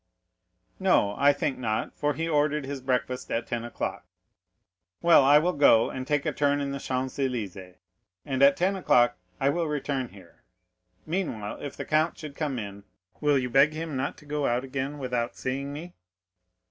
"No, I think not, for he ordered his breakfast at ten o'clock." "Well, I will go and take a turn in the Champs Élysées, and at ten o'clock I will return here; meanwhile, if the count should come in, will you beg him not to go out again without seeing me?"